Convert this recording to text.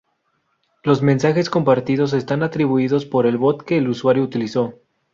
Los mensajes compartidos están atribuidos por el bot que el usuario utilizó.